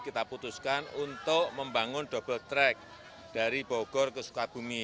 kita putuskan untuk membangun double track dari bogor ke sukabumi